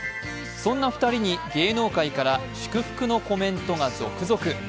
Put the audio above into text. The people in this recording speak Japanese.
そんな２人に芸能界から祝福のコメントが続々。